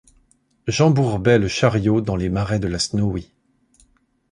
J’embourbai le chariot dans les marais de la Snowy.